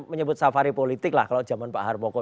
menyebut safari politik lah kalau zaman pak harmoko